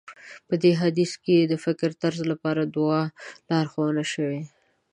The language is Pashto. په دې حديث کې د فکرطرز لپاره دعا لارښوونه شوې.